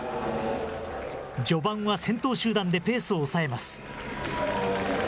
序盤は先頭集団でペースを抑えます。